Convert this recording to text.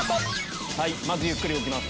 まずゆっくり動きます。